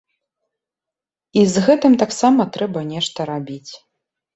І з гэтым таксама трэба нешта рабіць.